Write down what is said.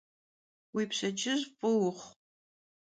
Vui pşedcıj f'oxhu!